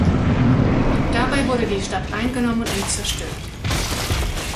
Dabei wurde die Stadt eingenommen und zerstört.